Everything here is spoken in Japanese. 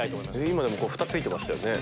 今ふたついてましたね。